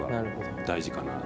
大事かなと。